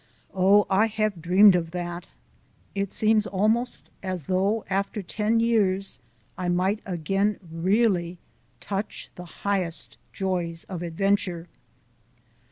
Oh, I have dreamed of that! It seems almost as though, after ten years, I might again really touch the highest joys of adventure!